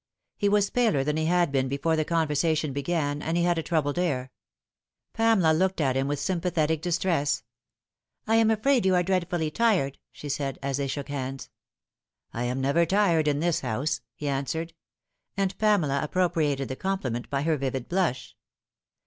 He was paler than he had been before the conversation began, and he had a troubled air. Pamela looked at him with sympathetic distress. " I am afraid you are dreadfully tired," she said, as they shook hands. " I am never tired in this house," he answered ; and Pamela appropriated the compliment by her vivid blush.